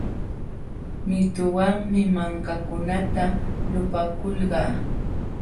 Mituwanmi mankakunata lupaakulqa.